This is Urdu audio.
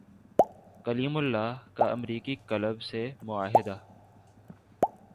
کلیم اللہ کا امریکی کلب سے معاہدہ